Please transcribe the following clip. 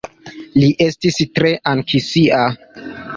Li estis tre anksia.